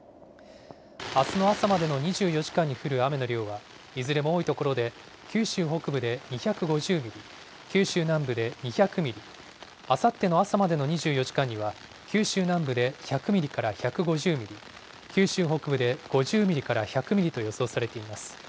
あすの朝までの２４時間に降る雨の量は、いずれも多い所で、九州北部で２５０ミリ、九州南部で２００ミリ、あさっての朝までの２４時間には九州南部で１００ミリから１５０ミリ、九州北部で５０ミリから１００ミリと予想されています。